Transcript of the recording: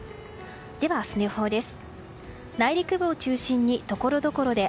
では、明日の予報です。